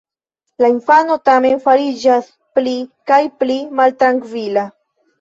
La infano tamen fariĝas pli kaj pli maltrankvila.